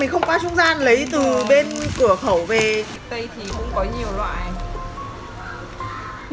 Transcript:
mình không qua trung gian lấy từ bên cửa khẩu về